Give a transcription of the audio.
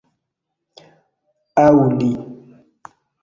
Aŭ li